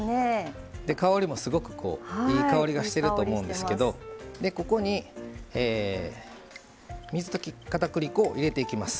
香りもすごくいい香りがしてると思うんですけどここに水溶きかたくり粉を入れていきます。